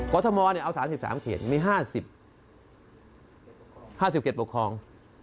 กรทมเอา๓๓เขตมี๕๐เขตปกครอง